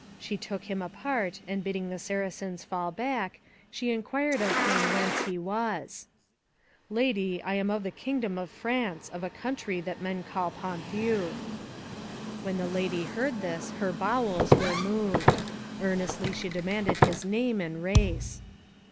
She took him apart, and bidding the Saracens fall back, she inquired of him whence he was. "Lady, I am from the kingdom of France, of a county that men call Ponthieu." When the lady heard this her bowels were moved. Earnestly she demanded his name and race.